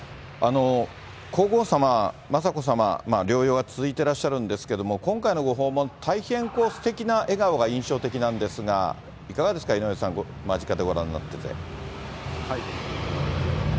皇后さま、雅子さま、療養が続いてらっしゃるんですけれども、今回のご訪問、大変すてきな笑顔が印象的なんですが、いかがですか、井上さん、間近でご覧になってて。